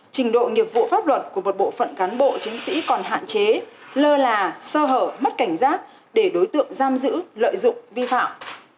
trình độ nghiệp vụ pháp luật của một bộ phận cán bộ chiến sĩ còn hạn chế lơ là sơ hở mất cảnh giác để đối tượng giam giữ lợi dụng vi phạm